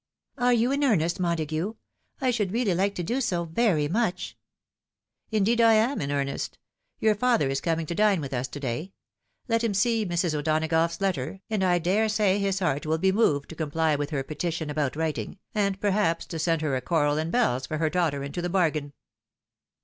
"Are you in earnest, Montague? I should reaUy like to do so, very much." " Indeed I am in earnest. Your father is coming to dine with us to day. Let him see Mrs. O'Donagough's letter, and I dare say his heart will be moved to comply with her petition about writing, and perhaps to send her a coral and bells for her daughter into the bargain."